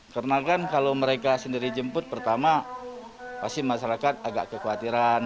karena kan kalau mereka sendiri jemput pertama pasti masyarakat agak kekhawatiran